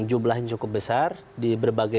jumlahnya cukup besar di berbagai